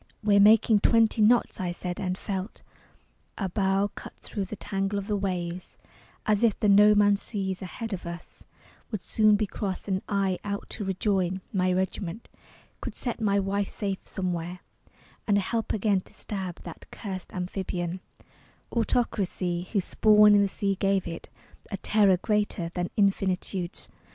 "We're making twenty knots," I said; and felt Our bow cut thro the tangle of the waves As if the No Man's Sea ahead of us Would soon be crossed; and I, out to rejoin My regiment, could set my wife safe somewhere, And help again to stab that curst amphibian, Autocracy whose spawn in the sea gave it A terror greater than infinitude's.